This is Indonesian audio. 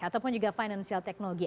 ataupun juga finansial teknologi